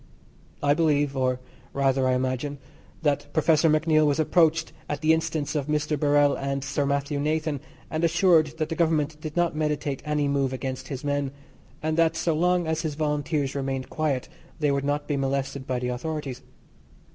I believe, or rather I imagine, that Professor MacNeill was approached at the instance of Mr. Birrell or Sir Mathew Nathan and assured that the Government did not meditate any move against his men, and that so long as his Volunteers remained quiet they would not be molested by the authorities.